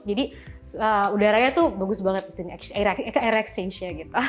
jadi udaranya tuh bagus banget di sini air exchange nya gitu